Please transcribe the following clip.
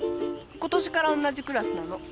今年から同じクラスなの。